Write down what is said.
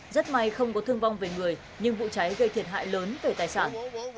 rất may không có thương vong về người nhưng vụ cháy gây thiệt hại lớn về tài sản